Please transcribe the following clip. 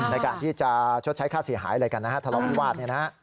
ในการที่จะชดใช้ค่าเสียหายทะเลาะวิวาด